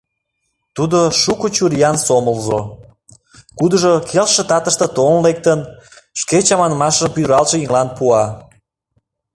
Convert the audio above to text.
Тудо – шуко чуриян сомылзо, кудыжо, келшыше татыште толын лектын, шке чаманымашыжым пӱралтше еҥлан пуа.